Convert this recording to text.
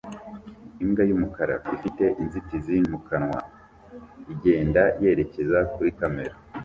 Imbwa yumukara ifite inzitizi mu kanwa igenda yerekeza kuri kamera